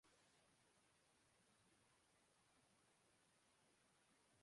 بس ہوا کی سنسناہٹ ہے یا کبھی کبھی بھنورے کی آواز سنائی دیتی